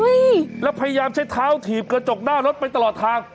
แล้วพยายามใช้เท้าถีบกระจกหน้ารถไปตลอดทาง